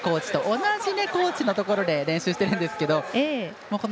同じところで練習しているんですけど。